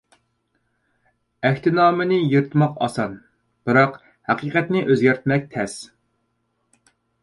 ئەھدىنامىنى يىرتماق ئاسان، بىراق ھەقىقەتنى ئۆزگەرتمەك تەس.